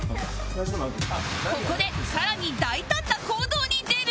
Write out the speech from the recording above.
ここでさらに大胆な行動に出る